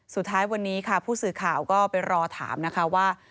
สุดท้ายวันนี้ค่ะผู้สื่อข่าวก็ไปรอถามนะคะว่า